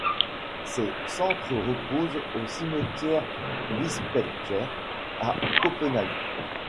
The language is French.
Ses cendres reposent au cimetière Bispebjerg à Copenhague.